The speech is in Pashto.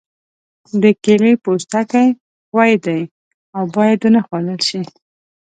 د کیلې پوستکی ښوی دی او باید ونه خوړل شي.